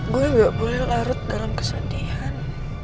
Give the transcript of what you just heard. gue gak boleh larut dalam kesedihan